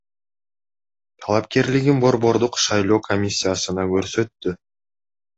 талапкерлигин Борбордук шайлоо комиссиясына көрсөттү.